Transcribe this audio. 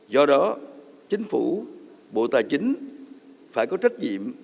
do đó chính phủ bộ tài chính phải có trách nhiệm